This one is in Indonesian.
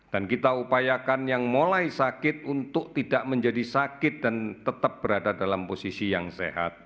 dan kita upayakan yang mulai sakit untuk tidak menjadi sakit dan tetap berada dalam posisi yang sehat